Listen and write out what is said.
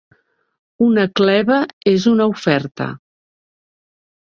Una "cleva" és una oferta.